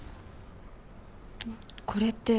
これって。